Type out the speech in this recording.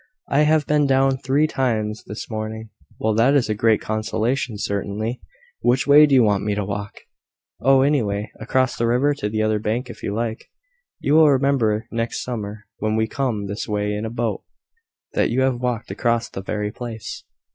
I have been down three times this morning." "Well, that is a great consolation, certainly. Which way do you want me to walk?" "Oh, any way. Across the river to the other bank, if you like. You will remember next summer, when we come this way in a boat, that you have walked across the very place."